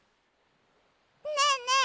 ねえねえ